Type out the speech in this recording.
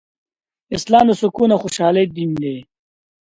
اسلام د سکون او خوشحالۍ دين دی